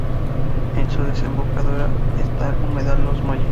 En su desembocadura esta el Humedal Los Molles.